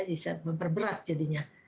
bisa memperberat jadinya